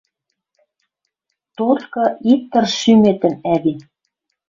Толькы ит тырж шӱметӹм, ӓви.